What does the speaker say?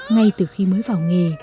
và bảo nghề